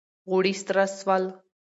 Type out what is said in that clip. غوړي سره سول